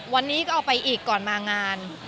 วันนี้ก็เอาไปอีกก่อนมางาน